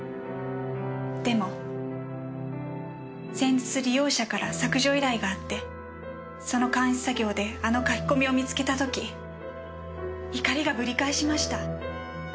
でも先日利用者から削除依頼があってその監視作業であの書き込みを見つけた時怒りがぶり返しました。